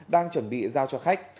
đang chuẩn bị giao cho khách